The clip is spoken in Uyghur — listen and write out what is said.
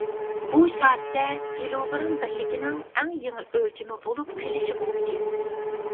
بۇ شارچە «كىلوگىرام» بىرلىكىنىڭ ئەڭ يېڭى ئۆلچىمى بولۇپ قېلىشى مۇمكىن.